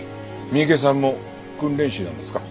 三池さんも訓練士なんですか？